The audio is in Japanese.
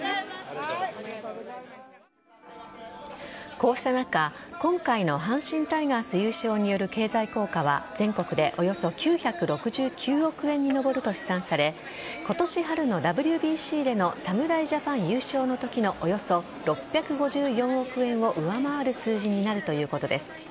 こうした中今回の阪神タイガース優勝による経済効果は全国でおよそ９６９億円に上ると試算され今年春のＷＢＣでの侍ジャパン優勝のときのおよそ６５４億円を上回る数字になるということです。